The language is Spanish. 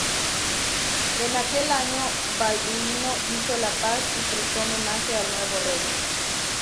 En aquel año, Balduino hizo la paz y prestó homenaje al nuevo rey.